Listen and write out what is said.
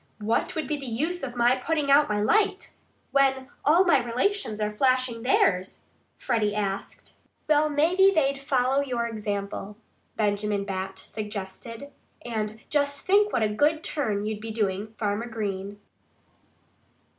"What would be the use of my putting out my light, when all my relations are flashing theirs?" Freddie asked. "Well, maybe they'd follow your example," Benjamin Bat suggested. "And just think what a good turn you'd be doing Farmer Green!"